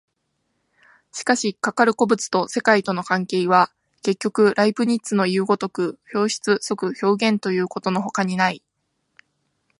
しかしかかる個物と世界との関係は、結局ライプニッツのいう如く表出即表現ということのほかにない。